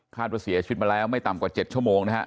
ว่าเสียชีวิตมาแล้วไม่ต่ำกว่า๗ชั่วโมงนะฮะ